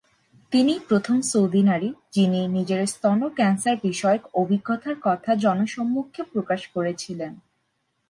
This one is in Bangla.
তিনিই প্রথম সৌদি নারী, যিনি নিজের স্তন ক্যান্সার বিষয়ক অভিজ্ঞতার কথা জনসম্মুখে প্রকাশ করেছিলেন।